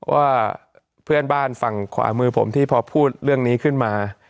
ว่าเพื่อนบ้านฝั่งขวามือผมที่พอพูดเรื่องนี้ขึ้นมา